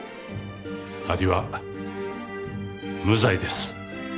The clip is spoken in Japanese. アリは無罪です。